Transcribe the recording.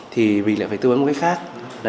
thì mình lại phải tư vấn một cách khác